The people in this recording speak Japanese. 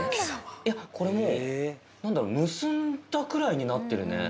いや、これもう、何だろう、結んだぐらいになってるね。